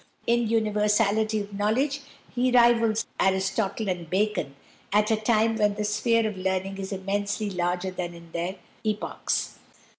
In universality of knowledge he rivals Aristotle and Bacon at a time when the sphere of learning is immensely larger than in their epochs.